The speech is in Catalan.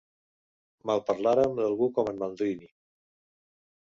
Malparlarem d'algú com en Maldini.